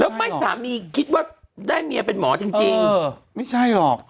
แล้วไม่สามีคิดว่าได้เมียเป็นหมอจริงไม่ใช่หรอก